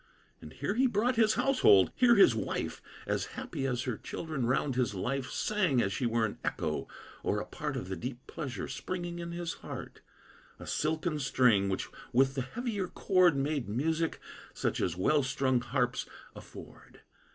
And here he brought his household; here his wife, As happy as her children, round his life Sang as she were an echo, or a part Of the deep pleasure springing in his heart A silken string which with the heavier cord Made music, such as well strung harps afford.